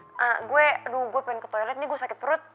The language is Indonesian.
eee gue aduh gue pengen ke toilet nih gue sakit perut